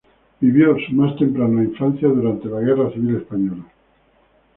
Vivió su más temprana infancia durante la Guerra Civil Española.